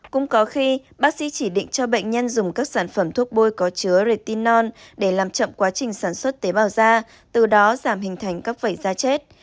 cũng có khi bác sĩ chỉ định cho bệnh nhân dùng các sản phẩm thuốc bôi có chứa redinon để làm chậm quá trình sản xuất tế bào da từ đó giảm hình thành các vẩy da chết